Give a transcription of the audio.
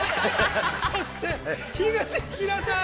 そして樋口日奈さん。